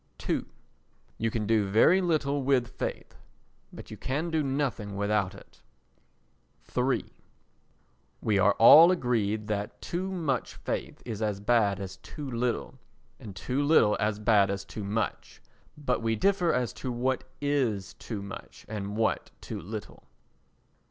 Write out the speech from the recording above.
ii You can do very little with faith, but you can do nothing without it. iii We are all agreed that too much faith is as bad as too little, and too little as bad as too much; but we differ as to what is too much and what too little.